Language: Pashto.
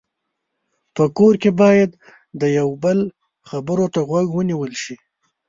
په کور کې باید د یو بل خبرو ته غوږ ونیول شي.